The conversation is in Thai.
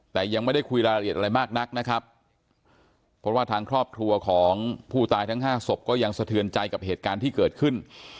แต่ยังไม่ได้คุยรายละเอียดอะไรมากนักนะครับเพราะว่าทางครอบครัวของผู้ตายทั้งห้าศพก็ยังสะเทือนใจกับเหตุการณ์ที่เกิดขึ้น